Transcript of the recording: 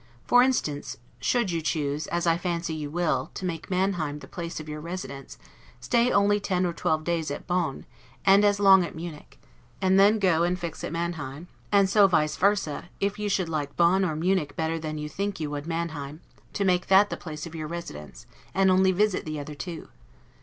For instance, should you choose (as I fancy you will), to make Manheim the place of your residence, stay only ten or twelve days at Bonn, and as long at Munich, and then go and fix at Manheim; and so, vice versa, if you should like Bonn or Munich better than you think you would Manheim, make that the place of your residence, and only visit the other two.